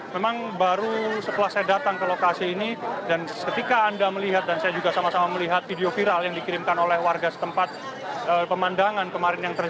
memang baru setelah saya datang ke lokasi ini dan ketika anda melihat dan saya juga sama sama melihat video viral yang dikirimkan oleh warga setempat pemandangan kemarin yang terjadi